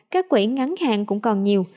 các quỹ ngắn hạn cũng còn nhiều